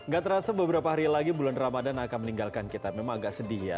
gak terasa beberapa hari lagi bulan ramadan akan meninggalkan kita memang agak sedih ya